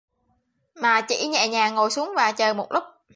Mà chỉ nhẹ nhàng ngồi xuống và chờ một lúc